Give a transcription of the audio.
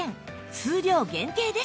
数量限定です